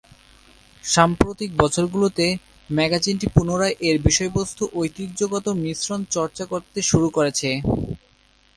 সাম্প্রতিক বছরগুলিতে, ম্যাগাজিনটি পুনরায় এর বিষয়বস্তুর ঐতিহ্যগত মিশ্রণ চর্চা করতে শুরু করেছে।